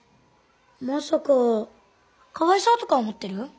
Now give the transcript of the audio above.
まさかかわいそうとか思ってる？